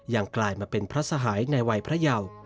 กลายมาเป็นพระสหายในวัยพระเยา